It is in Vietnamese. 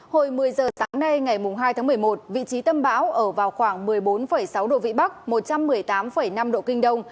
hồi một mươi giờ sáng nay ngày hai tháng một mươi một vị trí tâm bão ở vào khoảng một mươi bốn sáu độ vĩ bắc một trăm một mươi tám năm độ kinh đông